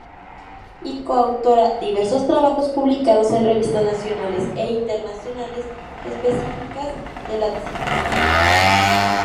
Y co-autora diversos trabajos publicados en revistas nacionales e internacionales específicas de la disciplina.